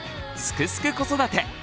「すくすく子育て」